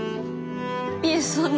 いえそんな。